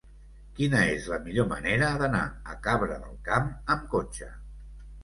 Quina és la millor manera d'anar a Cabra del Camp amb cotxe?